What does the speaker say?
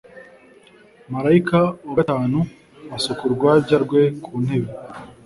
Marayika wa gatanu asuka urwabya rwe ku ntebe